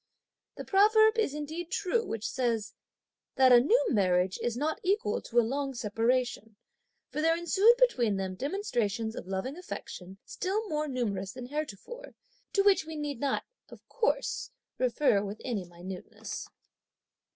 The proverb is indeed true which says: "That a new marriage is not equal to a long separation," for there ensued between them demonstrations of loving affection still more numerous than heretofore, to which we need not, of course, refer with any minuteness.